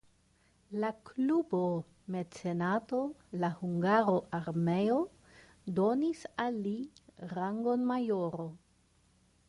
La kluba mecenato (la hungara armeo) donis al li rangon majoro.